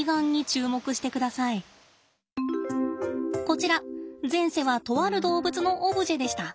こちら前世はとある動物のオブジェでした。